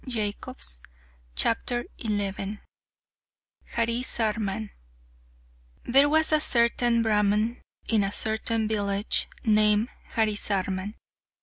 Harisarman There was a certain Brahman in a certain village, named Harisarman.